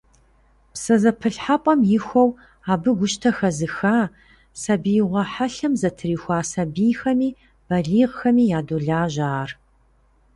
ПсэзэпылъхьэпӀэ ихуэу, абы гущтэ хэзыха, сабиигъуэ хьэлъэм зэтрихуа сабийхэми балигъхэми ядолажьэ ар.